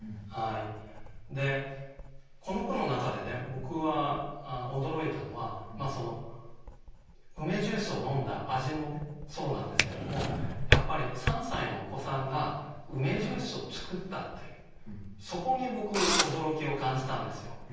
僕は驚いたのは梅ジュースを飲んだ味もねそうなんですけどもやっぱり３歳のお子さんが梅ジュースを作ったというそこに僕驚きを感じたんですよ。